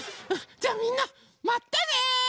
じゃあみんなまたね！